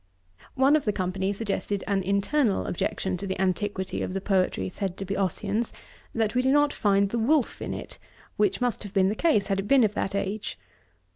One of the company suggested an internal objection to the antiquity of the poetry said to be Ossian's, that we do not find the wolf in it, which must have been the case had it been of that age.